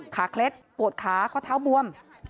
ขาเคล็ดปวดขาเพราะเท้าบวม